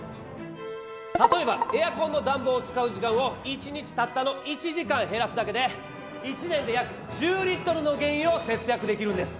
例えばエアコンの暖房を使う時間を１日たったの１時間減らすだけで１年で約１０リットルの原油を節約できるんです！